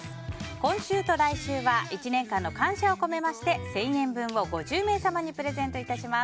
今週と来週は１年間の感謝を込めまして１０００円分を５０名様にプレゼントいたします。